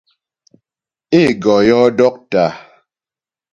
Ê gɔ yɔ́ dɔ́ktà.